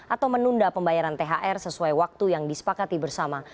atau menunda pembayaran thr sesuai waktu yang disepakati bersama